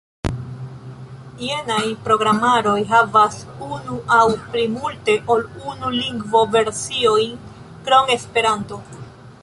Jenaj programaroj havas unu aŭ plimulte ol unu lingvo-versiojn krom Esperanto.